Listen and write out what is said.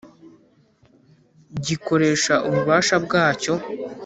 gikoresha ububasha bwacyo